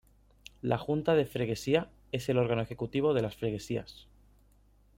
La "junta de freguesia" es el órgano ejecutivo de las "freguesias".